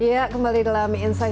ya kembali dalam insight